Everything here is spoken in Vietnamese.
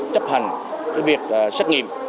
chấp hành cái việc xét nghiệm